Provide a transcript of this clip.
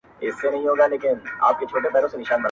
دا ځل به مخه زه د هیڅ یو توپان و نه نیسم.